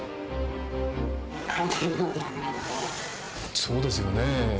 そうですよね。